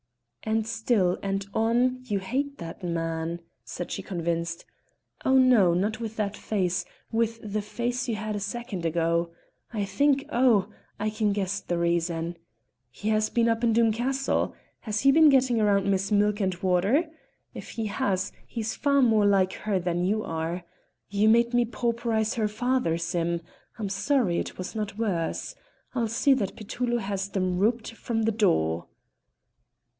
"And still and on you hate that man," said she convinced. "Oh no! not with that face, with the face you had a second ago. I think oh! I can guess the reason; he has been up in Doom Castle; has he been getting round Miss Milk and Water? If he has, he's far more like her than you are. You made me pauperise her father, Sim; I'm sorry it was not worse. I'll see that Petullo has them rouped from the door."